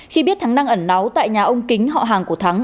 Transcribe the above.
khi biết thắng đang ẩn náu tại nhà ông kính họ hàng của thắng